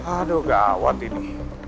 aduh gak awet ini